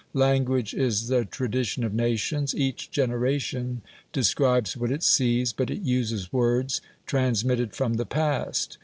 Language is the tradition of nations; each generation describes what it sees, but it uses words transmitted from the past.